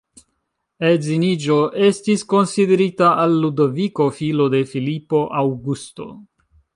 Edziniĝo estis konsiderita al Ludoviko, filo de Filipo Aŭgusto.